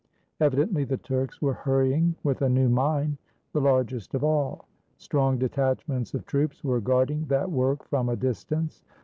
Evidently the Turks were hurrying with a new mine, the largest of all. Strong detachments of troops were guarding that work from a distance.